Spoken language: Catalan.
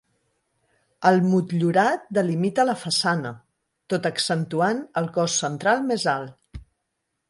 El motllurat delimita la façana, tot accentuant el cos central més alt.